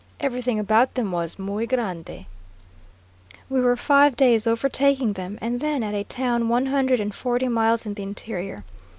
Everything about them was muy grande. We were five days overtaking them, and then at a town one hundred and forty miles in the interior.